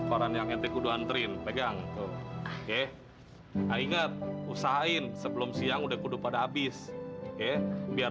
nih orang yang ente kudu antrin pegang oke inget usahain sebelum siang udah kudu pada abis ya biar